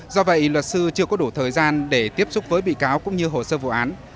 do vậy luật sư chưa có đủ thời gian để tiếp xúc với bị cáo cũng như hồ sơ vụ án